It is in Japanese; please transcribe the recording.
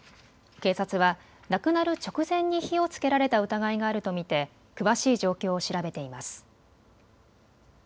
警察は亡くなる直前に火をつけられた疑いがあると見て詳しい状況を調べています。